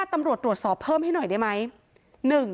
อยู่ดีมาตายแบบเปลือยคาห้องน้ำได้ยังไง